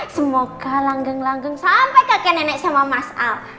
semoga langgeng langgeng sampai kakek nenek sama mas al